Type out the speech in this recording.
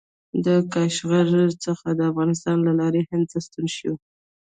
له کاشغر څخه د افغانستان له لارې هند ته ستون شي.